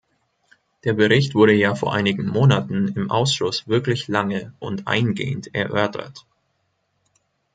Der Bericht wurde ja vor einigen Monaten im Ausschuss wirklich lange und eingehend erörtert.